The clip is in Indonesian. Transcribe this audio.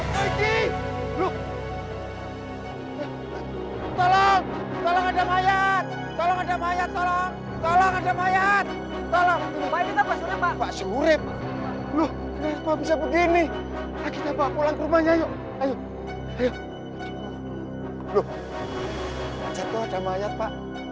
sampai jumpa di video selanjutnya